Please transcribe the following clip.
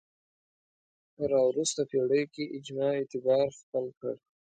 په راوروسته پېړیو کې اجماع اعتبار خپل کړ